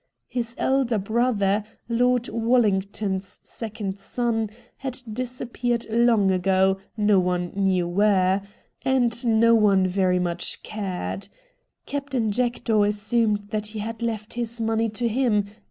His elder A NINE DAYS' WONDER 209 brother, Lord Wallington's second son, had disappeared long ago, no one knew where, and no one very much cared. Captain Jack" daw assumed that he had left his money to him.